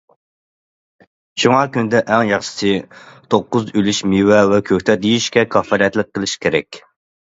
شۇڭا كۈندە ئەڭ ياخشىسى، توققۇز ئۈلۈش مېۋە ۋە كۆكتات يېيىشكە كاپالەتلىك قىلىش كېرەك.